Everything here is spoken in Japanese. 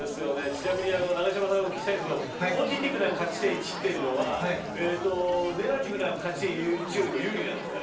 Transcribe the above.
ちなみに永島さんにお聞きしたいんですけどポジティブな勝ち点１というのはネガティブな勝ち点１より有利なんですか。